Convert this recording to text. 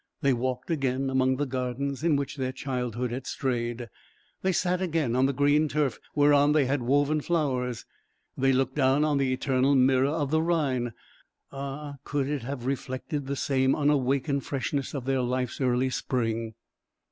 They walked again among the gardens in which their childhood had strayed; they sat again on the green turf whereon they had woven flowers; they looked down on the eternal mirror of the Rhine; ah! could it have reflected the same unawakened freshness of their life's early spring!